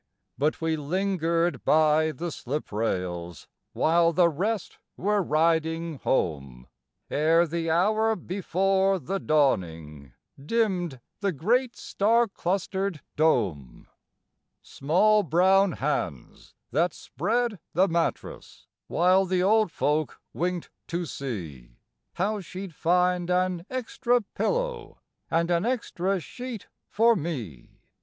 But we lingered by the sliprails While the rest were riding home, Ere the hour before the dawning Dimmed the great star clustered dome. Small brown hands that spread the mattress, While the old folk winked to see How she'd find an extra pillow And an extra sheet for me.